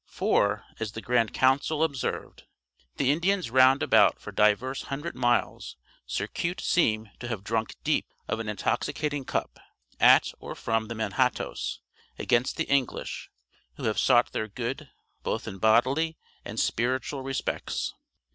"For," as the grand council observed, "the Indians round about for divers hundred miles cercute seeme to have drunk deepe of an intoxicating cupp, att or from the Manhattoes against the English, whoe have sought their good, both in bodily and spirituall respects."